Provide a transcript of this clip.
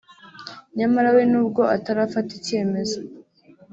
nyamara we n’ubwo atarafata icyemezo